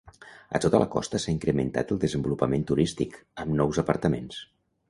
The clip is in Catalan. A tota la costa s'ha incrementat el desenvolupament turístic, amb nous apartaments.